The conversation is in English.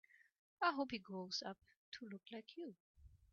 I hope he grows up to look like you.